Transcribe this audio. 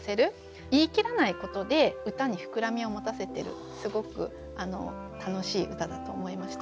言い切らないことで歌に膨らみを持たせてるすごく楽しい歌だと思いました。